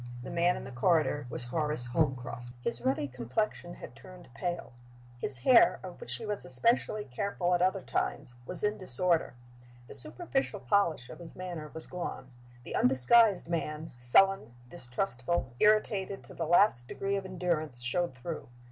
The man in the corridor was Horace Holmcroft. His ruddy complexion had turned pale. His hair (of which he was especially careful at other times) was in disorder. The superficial polish of his manner was gone; the undisguised man, sullen, distrustful, irritated to the last degree of endurance, showed through.